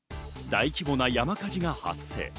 大規模な山火事が発生。